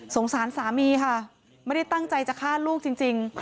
สารสามีค่ะไม่ได้ตั้งใจจะฆ่าลูกจริง